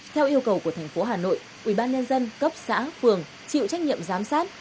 theo yêu cầu của thành phố hà nội ubnd cấp xã phường chịu trách nhiệm giám sát